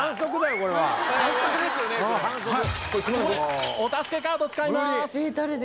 ここでお助けカード使います。